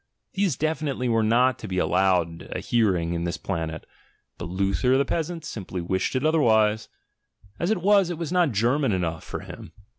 These definitely were not to be allowed a hearinir in this planet — but Luther the peasant simply it otherwise; as it was, it was not German enough for him.